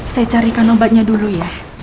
saya carikan obatnya dulu ya